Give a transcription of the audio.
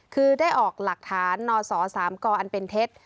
คือได้ออกหลักฐานนศ๓กอันเป็นเท็จ